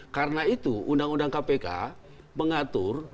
karena itu undang undang kpk mengatur